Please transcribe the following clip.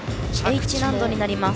Ｈ難度になります。